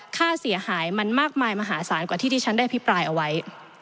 ค่าเสียหายมันมากมายมหาศาลกว่าที่ที่ฉันได้อภิปรายเอาไว้